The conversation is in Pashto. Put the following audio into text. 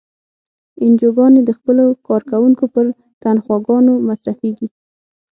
انجوګانې د خپلو کارکوونکو پر تنخواګانو مصرفیږي.